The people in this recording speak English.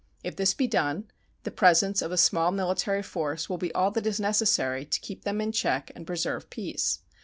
If this be done, the presence of a small military force will be all that is necessary to keep them in check and preserve peace.